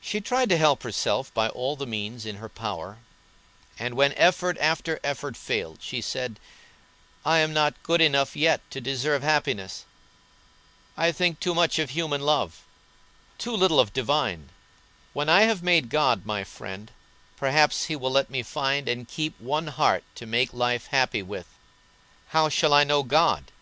She tried to help herself by all the means in her power, and when effort after effort failed she said: "I am not good enough yet to deserve happiness. I think too much of human love, too little of divine. When I have made God my friend perhaps He will let me find and keep one heart to make life happy with. How shall I know God?